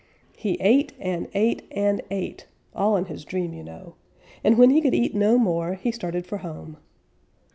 He ate and ate and ate, all in his dream, you know, and when he could eat no more he started for home.